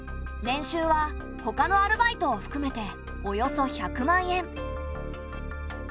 年収はほかのアルバイトをふくめておよそ１００万円。